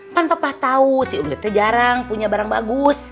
kan papa tau si uli sengaja jarang punya barang bagus